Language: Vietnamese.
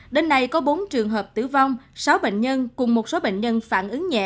đến nay có bốn trường hợp tử vong sáu bệnh nhân cùng một số bệnh nhân phản ứng nhẹ